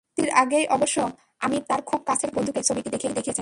মুক্তির আগেই অবশ্য আমির তাঁর খুব কাছের কয়েকজন বন্ধুকে ছবিটি দেখিয়েছেন।